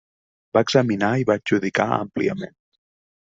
Va examinar i va adjudicar àmpliament.